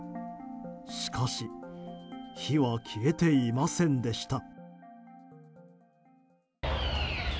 しかし火は消えていませんでした。